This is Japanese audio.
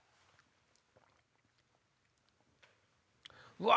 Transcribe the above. うわ！